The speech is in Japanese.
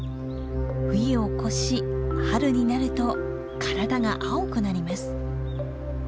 冬を越し春になると体が青くなります。